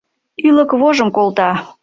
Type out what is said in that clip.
Ӱлык вожым колта